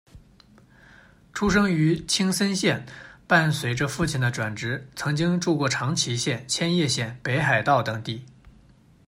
出生于青森县，伴随着父亲的转职，曾经住过长崎县、千叶县、北海道等地。